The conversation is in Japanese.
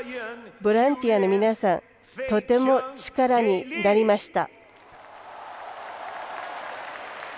ボランティアの皆さんとても力になりました。